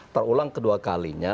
terulang kedua kalinya